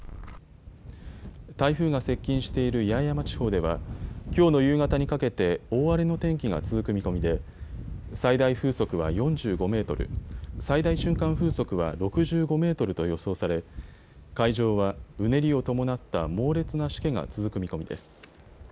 台風が接近している八重山地方ではきょうの夕方にかけて大荒れの天気が続く見込みで最大風速は４５メートル、最大瞬間風速は６５メートルと予想され海上はうねりを伴った猛烈なしけが続く見込みです。